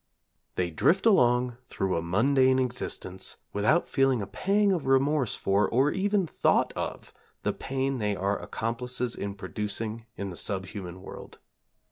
They drift along through a mundane existence without feeling a pang of remorse for, or even thought of, the pain they are accomplices in producing in the sub human world.